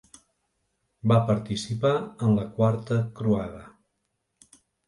Va participar en la Quarta Croada.